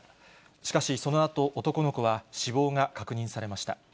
しかし、そのあと、男の子は死亡が確認されました。